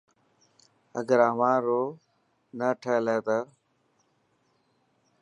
اگر اوهان رون نه ٺهيل هي ته.